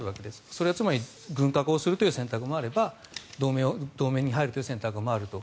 それはつまり軍拡をするという選択もあれば同盟に入るという選択もあると。